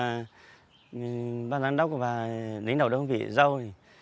mình được ban giám đốc và lĩnh đạo đơn vị giao